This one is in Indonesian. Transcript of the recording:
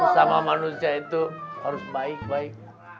sama manusia itu harus baik baik